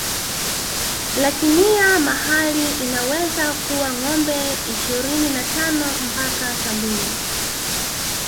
Lakinia mahali inaweza kuwa ngombe ishirini na tano mpaka sabini